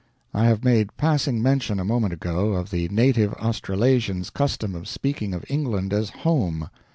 I have made passing mention, a moment ago, of the native Australasian's custom of speaking of England as "home."